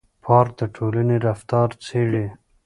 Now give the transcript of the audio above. پارک د ټولنې رفتار څېړي.